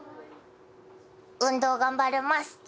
「運動頑張るます。